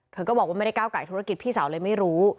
เธอก็บอกว่าไม่ได้ก้าวไก่ธุรกิจพี่สาวเลยไม่รู้